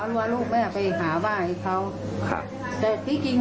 ค่ะมันก็ไม่เป็นคนอย่างนั้นหรอก